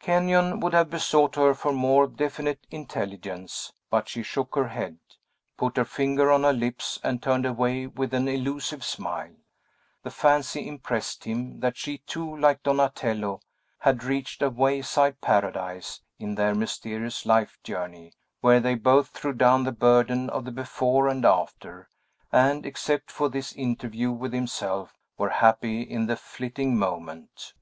Kenyon would have besought her for more definite intelligence, but she shook her head, put her finger on her lips, and turned away with an illusive smile. The fancy impressed him that she too, like Donatello, had reached a wayside paradise, in their mysterious life journey, where they both threw down the burden of the before and after, and, except for this interview with himself, were happy in the flitting moment.